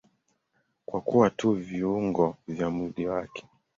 Kwa kuwa tu viungo vya mwili wake.